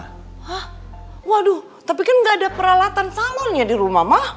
hah waduh tapi kan ga ada peralatan salonnya dirumah mah